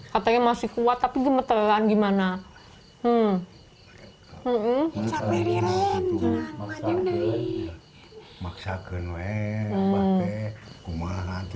katanya masih kuat tapi gemeteran gimana